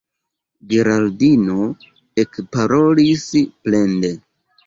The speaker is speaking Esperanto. Geraldino ekparolis plende: